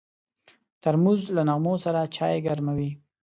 ترموز له نغمو سره چای ګرموي.